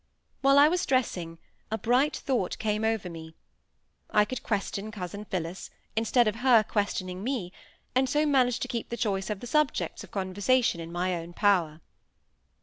While I was dressing, a bright thought came over me: I could question cousin Phillis, instead of her questioning me, and so manage to keep the choice of the subjects of conversation in my own power.